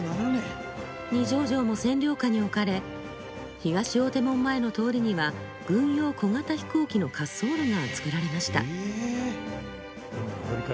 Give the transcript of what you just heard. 二条城も進駐軍の占領下におかれ東大手門前の通りには軍用小型飛行機の滑走路が造られました。